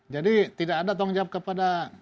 jadi tidak ada tanggung jawab kepada